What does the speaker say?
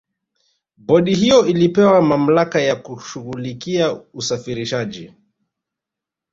bodi hiyo ilipewa mamlaka ya kushughulikia usafirishaji